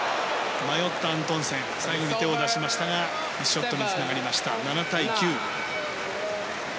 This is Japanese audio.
迷ったアントンセン最後、手を出しましたがミスショットにつながりました。